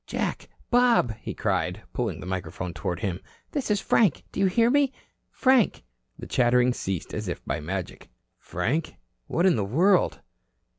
"Jack, Bob," he cried, pulling the microphone toward him. "This is Frank. Do you hear me? Frank." The chattering ceased as if by magic. "Frank? What in the world?"